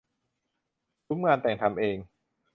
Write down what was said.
ซุ้มงานแต่งทำเอง